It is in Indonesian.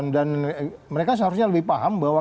dan mereka seharusnya lebih paham bahwa